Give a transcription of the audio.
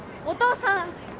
お父さん！